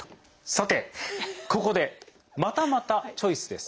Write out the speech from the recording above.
さてここでまたまたチョイスです。